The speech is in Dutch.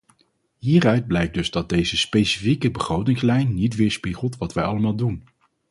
Hieruit blijkt dus dat deze specifieke begrotingslijn niet weerspiegelt wat wij allemaal doen.